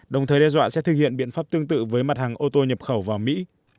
đồng thời đe dọa sẽ thực hiện biện pháp tương tự với mặt hàng ô tô nhập khẩu vào mỹ